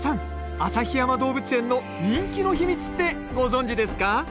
旭山動物園の人気の秘密ってご存じですか？